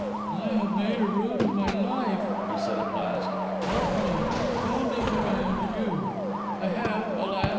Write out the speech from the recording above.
"I have made ruin of my life," he said at last. "Help me; tell me what I am to do; I have, alas!